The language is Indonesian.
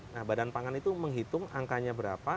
nah badan pangan itu menghitung angkanya berapa